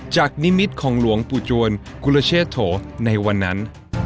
จากนิมิตรของหลวงปุจวนกุฤชโถในวันนั้น